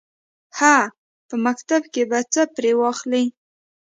_هه! په مکتب کې به څه پرې واخلې.